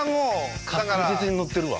確実に乗ってるわ。